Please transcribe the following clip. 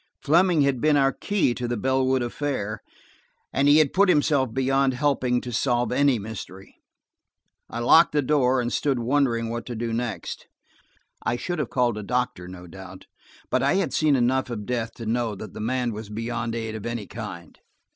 Fleming had been our key to the Bellwood affair, and he had put himself beyond helping to solve any mystery. I locked the door and stood wondering what to do next. I should have called a doctor, no doubt, but I had seen enough of death to know that the man was beyond aid of any kind.